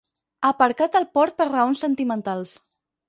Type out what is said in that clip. Aparcat al port per raons sentimentals.